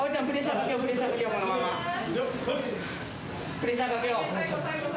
プレッシャーかけよう。